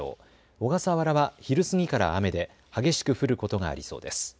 小笠原は昼過ぎから雨で激しく降ることがありそうです。